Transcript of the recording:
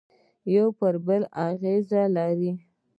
یوه پر بل اغېز لري